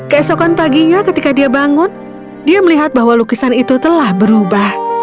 keesokan paginya ketika dia bangun dia melihat bahwa lukisan itu telah berubah